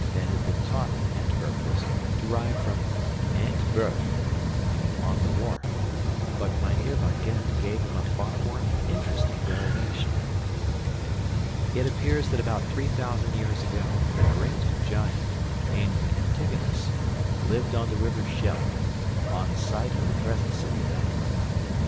Ben had been taught that Antwerp was derived from ae'nt werf (on the wharf), but Mynheer van Gend gave him a far more interesting derivation. It appears that about three thousand years ago, a great giant, named Antigonus, lived on the river Scheld, on the site of the present city of Antwerp.